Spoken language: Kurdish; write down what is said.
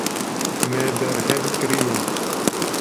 Me berhev kiriye.